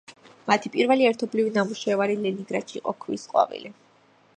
მათი პირველი ერთობლივი ნამუშევარი ლენინგრადში იყო „ქვის ყვავილი“.